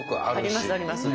ありますあります。